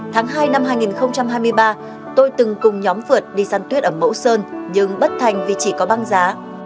tháng hai năm hai nghìn hai mươi ba tôi từng cùng nhóm phượt đi săn tuyết ở mẫu sơn nhưng bất thành vì chỉ có băng giá